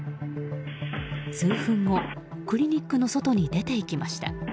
数分後、クリニックの外に出て行きました。